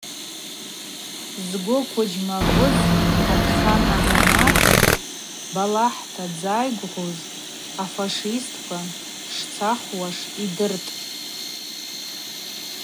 Згвы квыджьмагвыз Атхан Азаматыжв, балахӏта дзайгвыгъуз афашистква шцахуаз йдыртӏ.